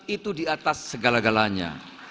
itu di atas segala galanya